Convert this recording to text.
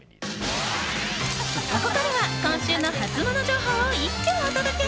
ここからは今週のハツモノ情報を一挙お届け。